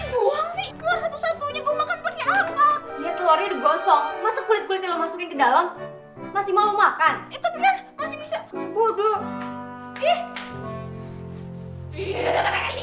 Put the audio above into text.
iyuh udah makan kakek sihir